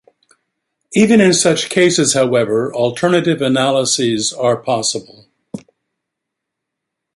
Even in such cases, however, alternative analyses are possible.